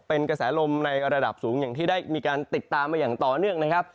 เป็นกระแสลมในระดับสูงอย่างที่ได้มีการติดตามมาอย่างต่อเนื่องนะครับ